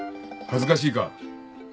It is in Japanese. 恥ずかしいか。